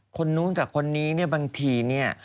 คนนู้นกับคนนี้เนี่ยบางทีเนี่ย